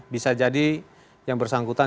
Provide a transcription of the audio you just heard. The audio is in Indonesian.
bisa jadi yang bersangkutan